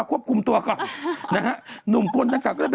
หนุ่มปลอมนึกออกไหมครับ